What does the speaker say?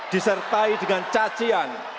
disertai dengan cacian